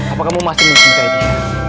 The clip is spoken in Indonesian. apa kamu masih mencintai dia